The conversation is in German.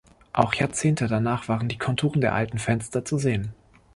Auch Jahrzehnte danach waren die Konturen der alten Fenster zu sehen.